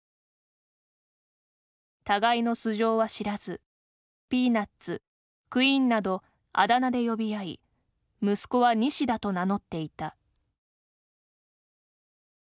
互いの素性は知らず「ピーナッツ」「クイーン」などあだ名で呼び合い息子は「西田」と名乗っていた。